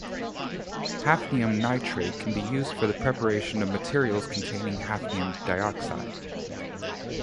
Hafnium nitrate can be used for the preparation of materials containing hafnium dioxide.